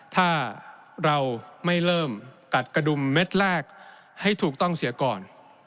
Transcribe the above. ถ้าเราไม่เริ่มกัดกระดุมเม็ดแรกให้ถูกต้องเสียก่อน